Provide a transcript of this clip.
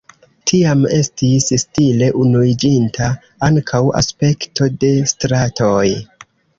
Tiam estis stile unuiĝinta ankaŭ aspekto de stratoj.